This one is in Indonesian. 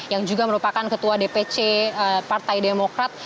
yang juga merupakan ketua dpc partai demokrat